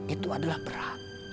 itu adalah berat